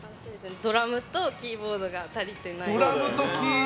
ドラムとキーボードが足りてないです。